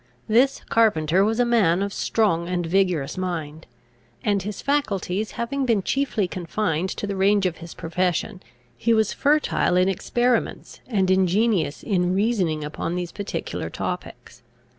This carpenter was a man of strong and vigorous mind; and, his faculties having been chiefly confined to the range of his profession, he was fertile in experiments, and ingenious in reasoning upon these particular topics.